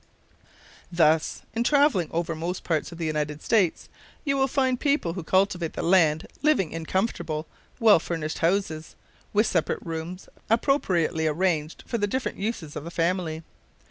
Thus, in traveling over most parts of the United States, you will find the people who cultivate the land living in comfortable, well furnished houses, with separate rooms appropriately arranged for the different uses of the family.